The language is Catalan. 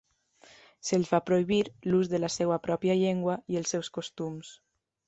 Se'ls va prohibir l'ús de la seva pròpia llengua i els seus costums.